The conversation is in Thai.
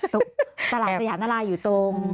ตลาดสยามนารายอยู่ตรง